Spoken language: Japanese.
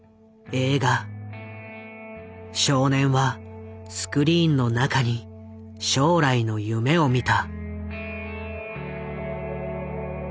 少年はスクリーンの中に将来の夢を見た。